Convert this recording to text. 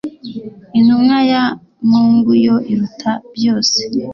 intumwa ya mungu yo iruta byose.